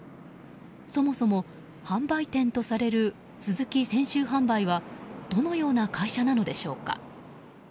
そもそも販売店とされるスズキ泉州販売はどのような会社なのでしょうか。